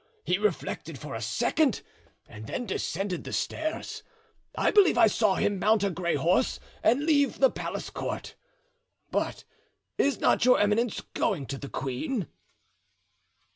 He reflected for a second and then descended the stairs. I believe I saw him mount a gray horse and leave the palace court. But is not your eminence going to the queen?"